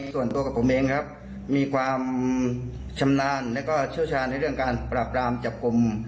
ส่วนตัวกับผมเองครับมีความชำนาญแล้วก็เชี่ยวชาญในเรื่องการปราบรามจับกลุ่ม